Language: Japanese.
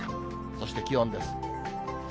そして気温です。